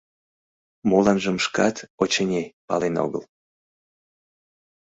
Моланжым шкат, очыни, пален огыл.